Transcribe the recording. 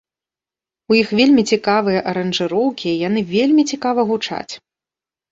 У іх вельмі цікавыя аранжыроўкі і яны вельмі цікава гучаць.